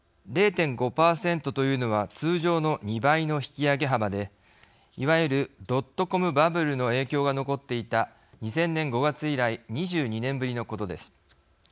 ０．５％というのは通常の２倍の引き上げ幅でいわゆるドットコムバブルの影響が残っていた２０００年５月以来２２年ぶりのことです。